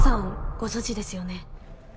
ご存じですよね？